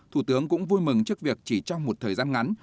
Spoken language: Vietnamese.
thủ tướng cũng vui mừng trước việc chỉ trong một thời gian ngắn